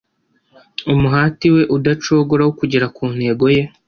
Umuhati we udacogora wo kugera ku ntego ye